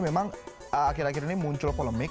memang akhir akhir ini muncul polemik